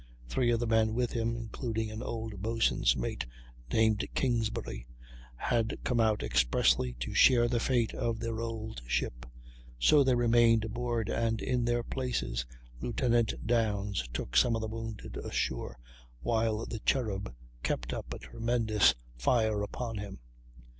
Three of the men with him, including an old boatswain's mate, named Kingsbury, had come out expressly "to share the fate of their old ship"; so they remained aboard, and, in their places, Lieutenant Downes took some of the wounded ashore, while the Cherub kept up a tremendous fire upon him.